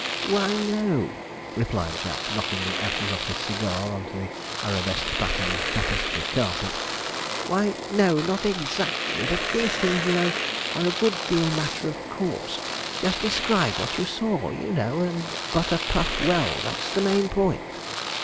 'Why, no,' replied Jack, knocking the ashes off his cigar on to the arabesque patterned tapestry carpet 'why, no, not exactly; but these things, you know, are a good deal matter of course; just describe what you saw, you know, and butter Puff well, that's the main point.'